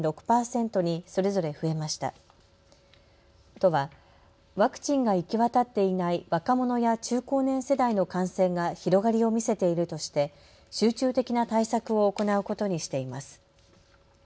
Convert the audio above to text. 都はワクチンが行き渡っていない若者や中高年世代の感染が広がりを見せているとして集中的な対策を行うことにしています。